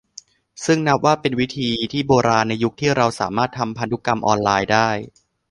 ซึ่งนับว่าเป็นวิธีที่โบราณในยุคที่เราสามารถทำธุรกรรมออนไลน์ได้